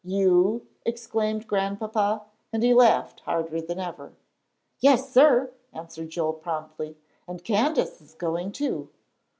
"You!" exclaimed Grandpapa, and he laughed harder than ever. "Yes, sir!" answered Joel, promptly, "and Candace is going too."